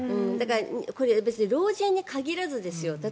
これ、別に老人に限らずですよ。